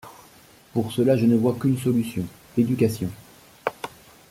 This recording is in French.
Pour cela, je ne vois qu’une solution : l’éducation !